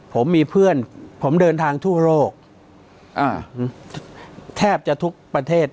ผมมีเพื่อนผมเดินทางทั่วโลกอ่าแทบจะทุกประเทศ